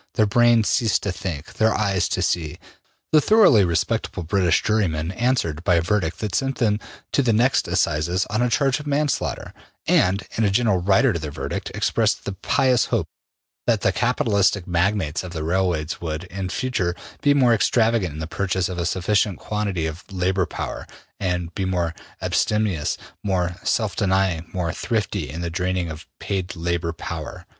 Their brain ceased to think, their eyes to see. The thoroughly ``respectable'' British jurymen answered by a verdict that sent them to the next assizes on a charge of manslaughter, and, in a gentle ``rider'' to their verdict, expressed the pious hope that the capitalistic magnates of the railways would, in future, be more extravagant in the purchase of a sufficient quantity of labor power, and more ``abstemious,'' more ``self denying,'' more ``thrifty,'' in the draining of paid labor power.